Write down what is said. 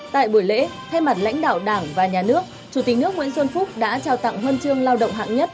tại buổi lễ thay mặt lãnh đạo đảng và nhà nước chủ tịch nước nguyễn xuân phúc đã trao tặng hương trường lao động hạn nhất